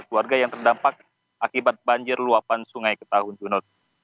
warga yang terdampak akibat banjir luapan sungai ketahun junor